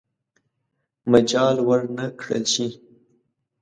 مجال ورنه کړل شي.